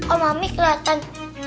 oh mami kelihatan